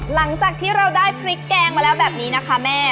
หลังจากที่เราได้พริกแกงมาแล้วแบบนี้นะคะแม่